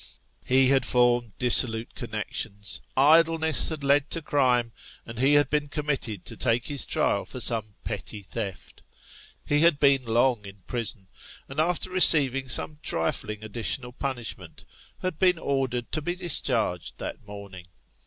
He had formed dissolute connections ; idleness had led to crime ; and he had been committed to take his trial for some petty theft. He had been long in prison, and, after receiving some trifling additional punishment, had been ordered to bo discharged that morning.